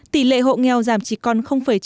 tỷ lệ hộ nghèo giảm chỉ còn chín mươi ba